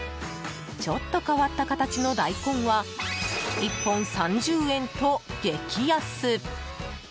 ちょっと変わった形の大根は１本３０円と激安。